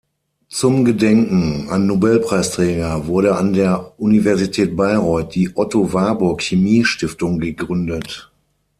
Zum Gedenken an Nobelpreisträger wurde an der Universität Bayreuth die Otto-Warburg Chemie-Stiftung gegründet.